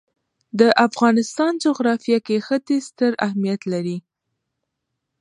د افغانستان جغرافیه کې ښتې ستر اهمیت لري.